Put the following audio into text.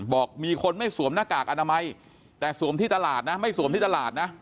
บอกมีคนไม่สวมหน้ากากอนามัยแต่สวมที่ตลาดนะไม่สวมที่ตลาดนะ